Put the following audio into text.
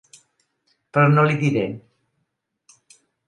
Però no l'hi diré.